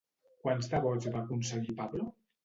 Quants de vots va aconseguir Pablo?